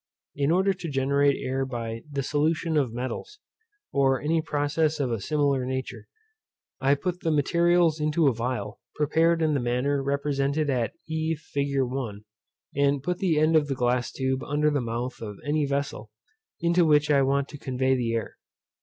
In order to generate air by the solution of metals, or any process of a similar nature, I put the materials into a phial, prepared in the manner represented at e fig. 1, and put the end of the glass tube under the mouth of any vessel into which I want to convey the air.